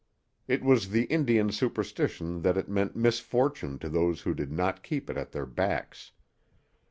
It was the Indian superstition that it meant misfortune to those who did not keep it at their backs.